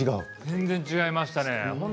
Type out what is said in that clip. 全然違いました。